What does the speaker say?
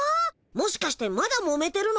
もしかしてまだもめてるの？